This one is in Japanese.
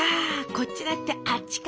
こっちだったあっちか。